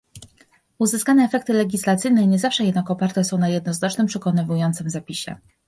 Uzyskane efekty legislacyjne nie zawsze jednak oparte są na jednoznacznym przekonywującym zapisie